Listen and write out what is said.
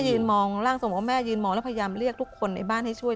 ยืนมองร่างทรงว่าแม่ยืนมองแล้วพยายามเรียกทุกคนในบ้านให้ช่วย